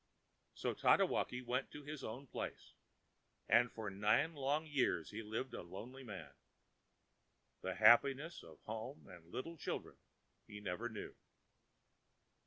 So Tatewaki went to his own place, and for nine long years he lived a lonely man. The happiness of home and little children he never knew.